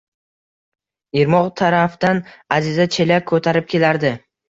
Irmoq tarafdan Аziza chelak koʼtarib kelardi.